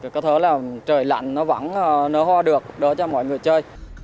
có thể là trời lạnh nó vẫn nở hoa được đỡ cho mọi người chơi